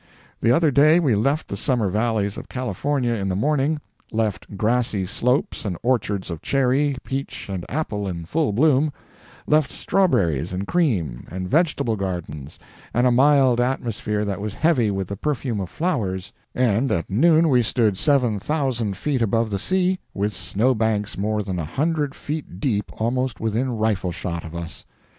The other day we left the summer valleys of California in the morning—left grassy slopes and orchards of cherry, peach and apple in full bloom—left strawberries and cream and vegetable gardens, and a mild atmosphere that was heavy with the perfume of flowers; and at noon we stood seven thousand feet above the sea, with snow banks more than a hundred feet deep almost within rifle shot of us.